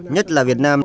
nhất là việt nam